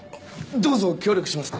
どうぞ。協力します。